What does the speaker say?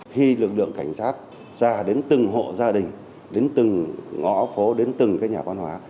khi lực lượng cảnh sát ra đến từng hộ gia đình đến từng ngõ phố đến từng nhà văn hóa